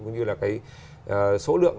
như là cái số lượng